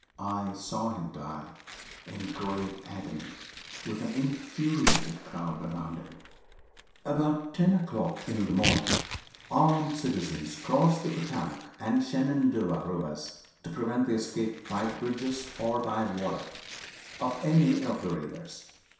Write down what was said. I saw him die, in great agony, with an infuriated crowd around him. About ten o'clock in the morning, armed citizens crossed the Potomac and Shenandoah rivers to prevent the escape by the bridges, or by water, of any of the raiders.